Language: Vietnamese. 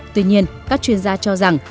tuy nhiên các chuyên gia cho rằng